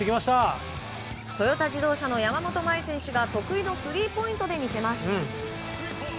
トヨタ自動車の山本麻衣選手が得意のスリーポイントで魅せます！